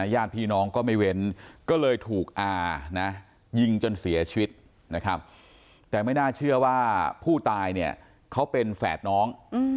ญาติพี่น้องก็ไม่เว้นก็เลยถูกอานะยิงจนเสียชีวิตนะครับแต่ไม่น่าเชื่อว่าผู้ตายเนี่ยเขาเป็นแฝดน้อง